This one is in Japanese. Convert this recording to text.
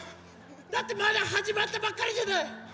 だってまだはじまったばっかりじゃない！